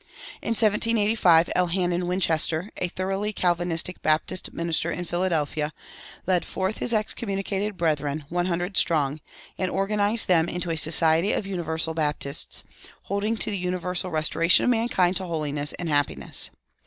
In 1785 Elhanan Winchester, a thoroughly Calvinistic Baptist minister in Philadelphia, led forth his excommunicated brethren, one hundred strong, and organized them into a "Society of Universal Baptists," holding to the universal restoration of mankind to holiness and happiness.